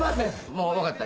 もう分かった。